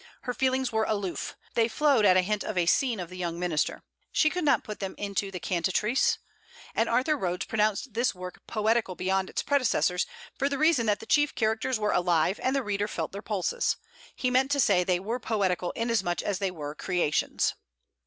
Her feelings were aloof. They flowed at a hint of a scene of THE YOUNG MINISTER. She could not put them into THE CANTATRICE. And Arthur Rhodes pronounced this work poetical beyond its predecessors, for the reason that the chief characters were alive and the reader felt their pulses. He meant to say, they were poetical inasmuch as they were creations.